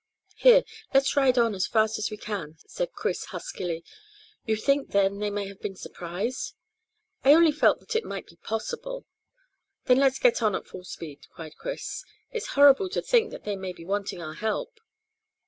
"Here, let's ride on as fast as we can," said Chris huskily. "You think, then, that they may have been surprised?" "I only felt that it might be possible." "Then let's get on at full speed," cried Chris. "It's horrible to think that they may be wanting our help."